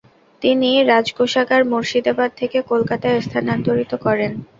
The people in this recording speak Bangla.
তিনি রাজকোষাগার মুর্শিদাবাদ থেকে কলকাতায় স্থানান্তরিত করেন।